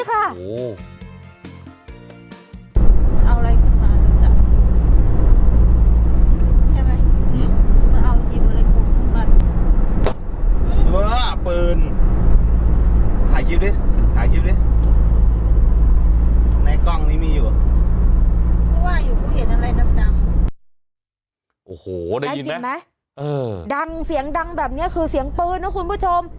ก็ว่าอยู่ก็เห็นอะไรดับดับโอ้โหได้ยินไหมเออดังเสียงดังแบบเนี้ยคือเสียงปืนนะคุณผู้ชม